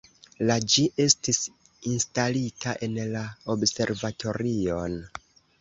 La ĝi estis instalita en la observatorion.